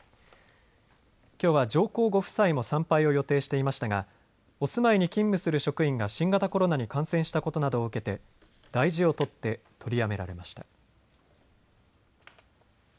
きょうは上皇ご夫妻も参拝を予定していましたが、お住まいに勤務する職員が新型コロナに感染したことなどを受けて大事を取って取りやめられました。